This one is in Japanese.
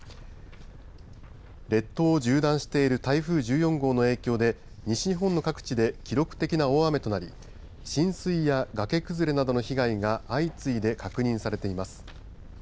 列島を縦断している台風１４号の影響で西日本の各地で記録的な大雨となり浸水や崖崩れなどの被害が相次いで確認されています。